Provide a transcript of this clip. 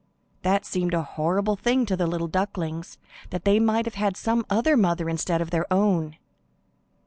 That seemed a horrible thing to the little ducklings—that they might have had some other mother instead of their own.